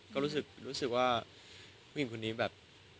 ก็รู้สึกว่าผู้หญิงคนนี้แบบ